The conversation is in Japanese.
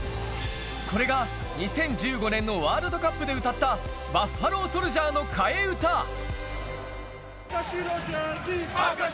これが２０１５年のワールドカップで歌った『バッファロー・ソルジャー』の替え歌赤白ジャージー！